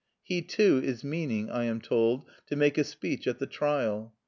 He, too, is meaning, I am told, to make a speech at the trial.